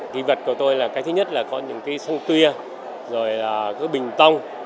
kỳ vật của tôi là cái thứ nhất là có những cái sông tuyên rồi là cái bình tông